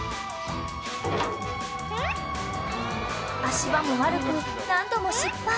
［足場も悪く何度も失敗］